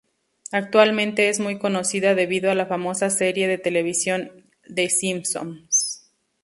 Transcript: Actualmente es muy conocida debido a la famosa serie de televisión "The Simpsons".